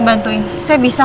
saya permisi ya